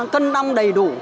cân đông đầy đủ